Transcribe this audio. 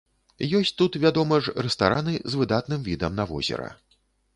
Ёсць тут, вядома ж, рэстараны з выдатным відам на возера.